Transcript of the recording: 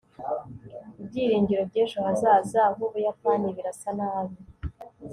ibyiringiro by'ejo hazaza h'ubuyapani birasa nabi